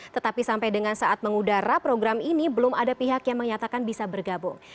tetapi sampai dengan saat mengudara program ini belum ada pihak yang menyatakan bisa bergabung